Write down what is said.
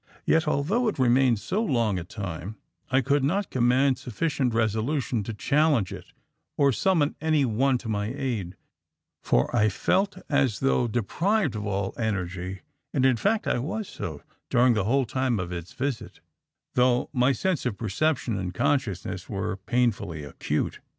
Yet although it remained so long a time, I could not command sufficient resolution to challenge it or summon any one to my aid for I felt as though deprived of all energy, and, in fact, I was so during the whole time of its visit, though my sense of perception and consciousness were painfully acute.